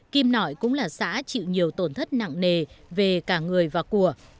kim nội cũng là xã chịu nhiều tổn thất nặng nề về cả người và của